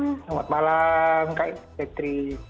selamat malam kak ekstri